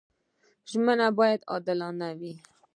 ژمنه باید عادلانه وي.